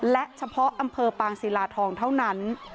และเฉพาะอำเภอปางศิลาทองเท่านั้น